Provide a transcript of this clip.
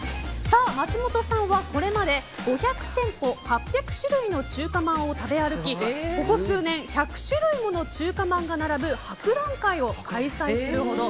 松本さんは、これまで５００店舗、８００種類の中華まんを食べ歩きここ数年１００種類もの中華まんが並ぶ博覧会を開催するほど。